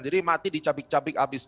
jadi mati dicabik cabik abis